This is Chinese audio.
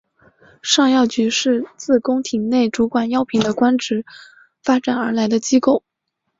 尚药局是自宫廷内主管药品的官职发展而来的机构。